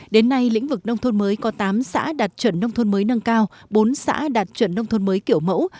đến nay lĩnh vực nông thôn mới có tám xã đạt chuẩn nông thôn mới nâng cao bốn xã đạt chuẩn nông thôn mới kiểu mẫu